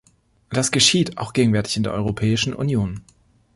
Das geschieht auch gegenwärtig in der Europäischen Union.